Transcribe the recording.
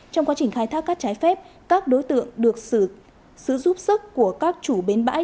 trong quá trình khai thác cát trái phép các đối tượng được sự giúp sức của các chủ bến bãi